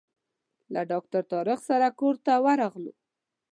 له ډاکټر طارق سره کور ته ورغلو.